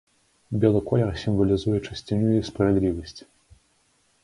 Белы колер сімвалізуе чысціню і справядлівасць.